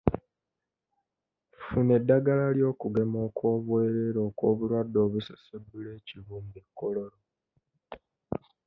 Funa eddagala ly'okugema okwoberere okw'obulwadde obusesebbula ekibumba e Kololo.